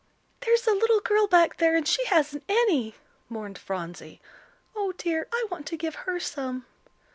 "There's a little girl back there and she hasn't any," mourned Phronsie. "Oh, dear, I want to give her some."